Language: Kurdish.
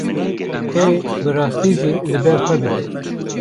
Ew ê bi rastî jî li ber xwe bide.